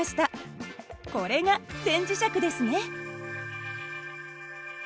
これが電磁石ですね。